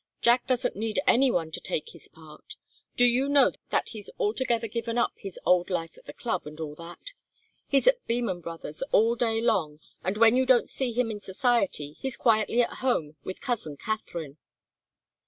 Jack doesn't need any one to take his part. Do you know that he's altogether given up his old life at the club and all that? He's at Beman Brothers' all day long, and when you don't see him in society, he's quietly at home with cousin Katharine."